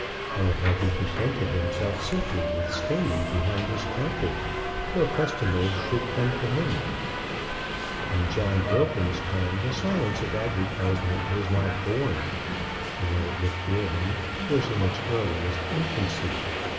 Or had he contented himself simply with standing behind his counter till customers should come to him? In John Gilpin's time the science of advertisement was not born; or, if born, was in its earliest infancy.